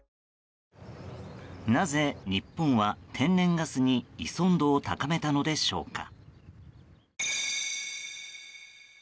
なぜ、日本は天然ガスに依存度を高めたのでしょうか。